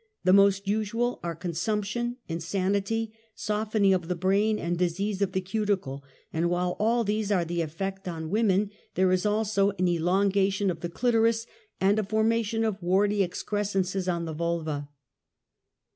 The most usual are consumption, insanity, softening of the brain and disease of the cuticle, and while all these are the effect on women, there is also an elon /gation of the clitoris, and a formation of warty ex '|crescences on the vulva.